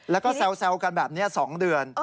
แล้วก็แซวกันแบบนี้๒เดือน